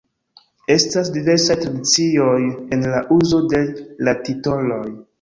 Estas diversaj tradicioj en la uzo de la titoloj.